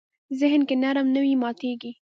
ذهن که نرم نه وي، ماتېږي.